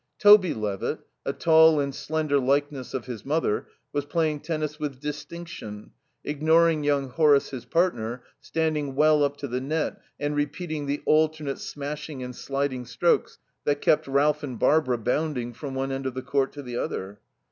Toby Levitt, a tall and slender likeness of his mother, was playing tennis with distinction, ignoring young Horace, his partner, standing well up to the net and repeating the alternate smashing and sliding strokes that kept Ralph and Barbara bounding from one end of the court to the other.